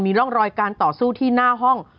ร่องรอยการต่อสู้ที่หน้าห้อง